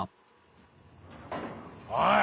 おい！